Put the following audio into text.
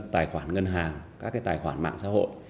tài khoản ngân hàng các tài khoản mạng xã hội